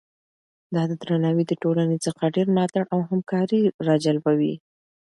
دا درناوی د ټولنې څخه ډیر ملاتړ او همکاري راجلبوي.